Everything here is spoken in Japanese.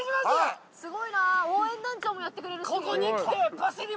すごいな応援団長もやってくれるし。